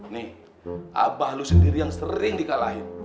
nih abah lu sendiri yang sering di kalahin